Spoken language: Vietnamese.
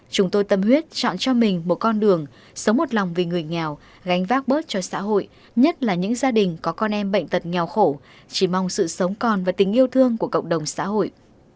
chúng tôi tâm huyết chọn cho mình một con đường sống một lòng vì người nghèo gánh vác bớt cho xã hội nhất là những gia đình có con em bệnh tật nghèo khổ chỉ mong sự sống còn và tình yêu thương của cộng đồng xã hội